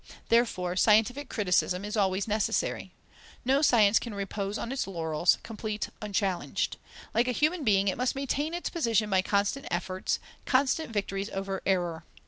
Therefore scientific criticism is always necessary. No science can repose on its laurels, complete, unchallenged. Like a human being, it must maintain its position by constant efforts, constant victories over error.